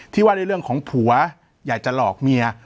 ที่ว่าในเรื่องของผัวอยากจะหลอกเมีย